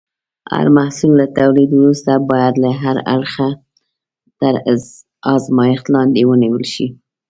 هر محصول له تولید وروسته باید له هر اړخه تر ازمېښت لاندې ونیول شي.